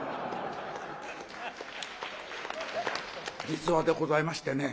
実話でございましてね。